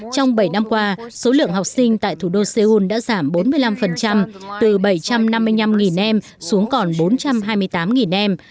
trong bảy năm qua số lượng học sinh tại thủ đô seoul đã giảm bốn mươi năm từ bảy trăm năm mươi năm em xuống còn bốn trăm hai mươi tám em